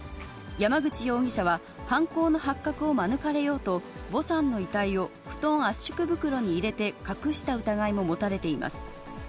山口容疑者は、犯行の発覚を免れようと、ヴォさんの遺体を布団圧縮袋に入れて隠した疑いも持たれています。